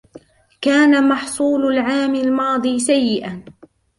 كان محصول العام الماضي سيئا.